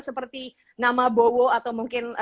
seperti nama bowo atau mungkin